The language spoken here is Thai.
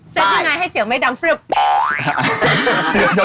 เซ็ตยังไงให้เสียงไม่ดังเร็ว